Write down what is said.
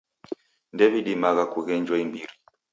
Ndew'idimagha kughenjwa imbiri.